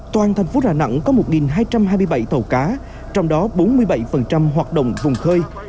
toàn thành phố đà nẵng có một hai trăm hai mươi bảy tàu cá trong đó bốn mươi bảy hoạt động vùng khơi